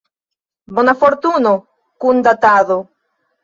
Bona fortuno kun Datado.